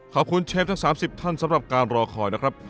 เชฟทั้ง๓๐ท่านสำหรับการรอคอยนะครับ